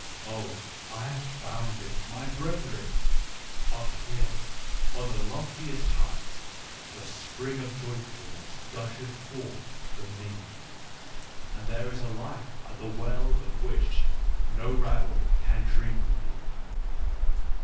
" Oh, I found it, my brethren ! Up here, on the loftiest height, the spring of joyfulness gusheth forth for me. And there is a life at the well of which no rabble can drink with you.